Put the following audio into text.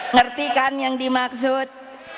ngerti kan yang dimaksud